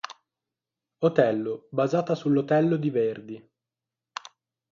Otello"”, basata sull'Otello di Verdi.